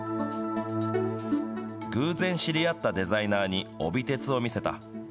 偶然知り合ったデザイナーに、帯鉄を見せた。